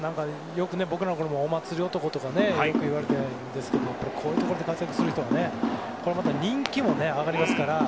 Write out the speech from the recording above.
僕らのころもお祭り男とかよく言われましたがこういうところで活躍する人は人気も上がりますから。